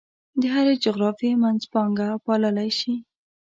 د هرې جغرافیې منځپانګه پاللی شي.